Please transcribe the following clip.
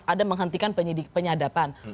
ada menghentikan penyadapan